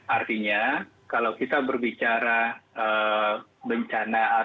artinya kalau kita berbicara bencana